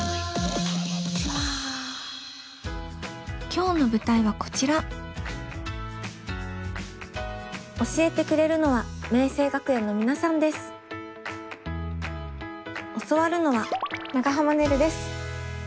今日の舞台はこちら教えてくれるのは教わるのは長濱ねるです。